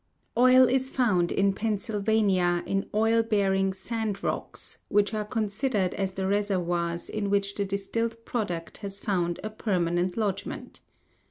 Oil is found in Pennsylvania in oil bearing sand rocks, which are considered as the reservoirs in which the distilled product has found a permanent lodgment.